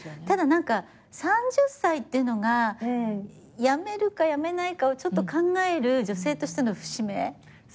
ただ３０歳っていうのが辞めるか辞めないかをちょっと考える女性としての節目。